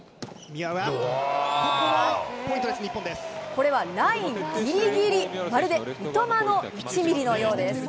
これはラインぎりぎり、まるで三笘の１ミリのようです。